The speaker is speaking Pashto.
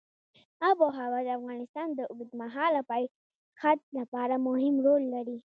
آب وهوا د افغانستان د اوږدمهاله پایښت لپاره مهم رول لري.